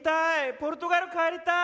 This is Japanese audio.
ポルトガル帰りたい！